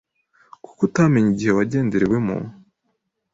kuko utamenye igihe wagenderewemo.